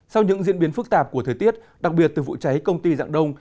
sau những diễn biến phức tạp của thời tiết đặc biệt từ vụ cháy công ty dạng đông